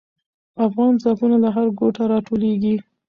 افغان ځواکونه له هر ګوټه راټولېږي.